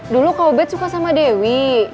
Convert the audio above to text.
dulu kau bet suka sama dewi